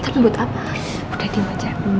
tapi buat apa